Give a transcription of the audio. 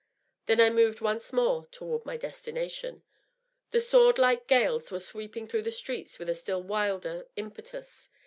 Then I moved once more toward my destination. The sword like gales were sweeping through the streets with a still wilder impetus.